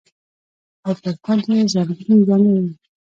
او پر تن يې زرغونې جامې وې.